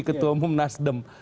ketua umum nasdem